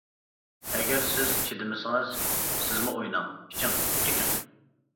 ئەگەر سىز چىدىمىسىڭىز، سىزمۇ ئويناڭ، ئىچىڭ، چېكىڭ.